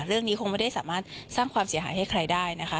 เรื่องนี้คงไม่ได้สามารถสร้างความเสียหายให้ใครได้นะคะ